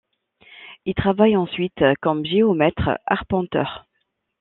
Il travaille ensuite comme géomètre arpenteur.